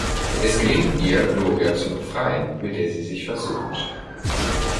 Es gelingt ihr, Gloria zu befreien, mit der sie sich versöhnt.